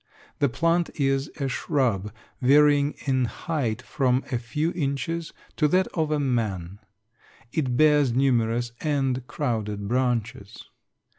The plant is a shrub varying in height from a few inches to that of a man. It bears numerous and crowded branches.